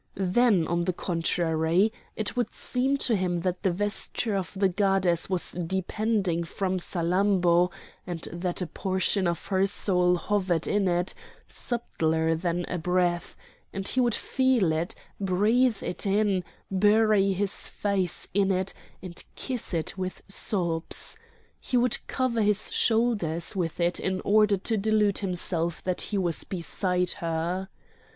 Then, on the contrary, it would seem to him that the vesture of the goddess was depending from Salammbô, and that a portion of her soul hovered in it, subtler than a breath; and he would feel it, breathe it in, bury his face in it, and kiss it with sobs. He would cover his shoulders with it in order to delude himself that he was beside her.